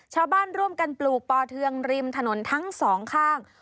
ชาวบ้านร่วมกันปลูกปอเทืองริมถนนทั้งสองข้าง